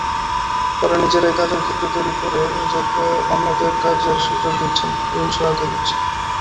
পরে নিজেরাই কাজের ক্ষেত্র তৈরি করে অন্যদের কাজের সুযোগ দিচ্ছেন, ঋণ–সহায়তা দিচ্ছেন।